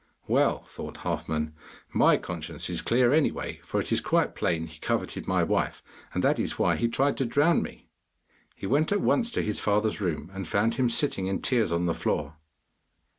'Well,' thought Halfman, 'my conscience is clear anyway, for it is quite plain he coveted my wife, and that is why he tried to drown me.' He went at once to his father's room, and found him sitting in tears on the floor.